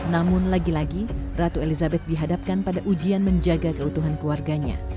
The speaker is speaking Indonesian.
namun lagi lagi ratu elizabeth dihadapkan pada ujian menjaga keutuhan keluarganya